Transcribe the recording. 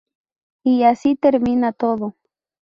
Y así termina todo.